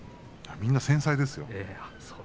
みんな繊細ですよ